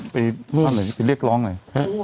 ไปเรียกร้องเลย